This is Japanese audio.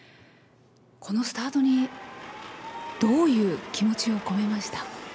このスタートに、どういう気持ちを込めました？